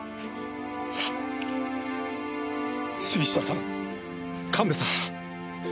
杉下さん神戸さん。